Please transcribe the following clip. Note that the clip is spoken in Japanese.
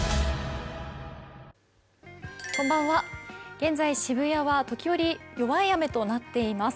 現在、渋谷は時折弱い雨となっています。